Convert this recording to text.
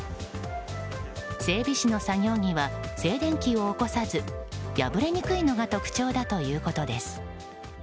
整備士の作業着は静電気を起こさず破れにくいのが特徴だということです。